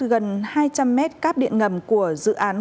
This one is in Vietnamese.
gần hai trăm linh mét cáp điện ngầm của dự án